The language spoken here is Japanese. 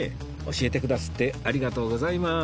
教えてくださってありがとうございます